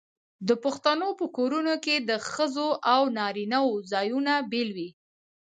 د پښتنو په کورونو کې د ښځو او نارینه وو ځایونه بیل وي.